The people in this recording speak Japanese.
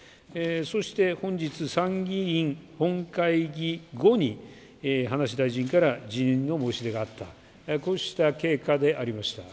そして本日、参議院本会議後に、葉梨大臣から辞任の申し出があった、こうした経過でありました。